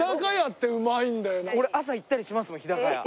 俺朝行ったりしますもん日高屋。